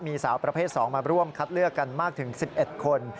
มีสาวประเภท๒มาร่วมคัดเลือกกันมากถึง๑๑คน